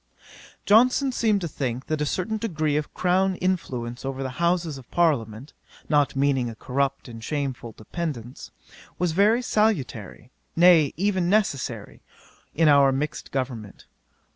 'Johnson seemed to think, that a certain degree of crown influence over the Houses of Parliament, (not meaning a corrupt and shameful dependence,) was very salutary, nay, even necessary, in our mixed government.